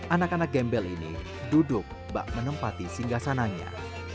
anak anak gembel ini duduk bak menempati singgah sananya